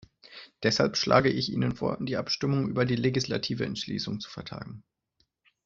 Deshalb schlage ich Ihnen vor, die Abstimmung über die legislative Entschließung zu vertagen.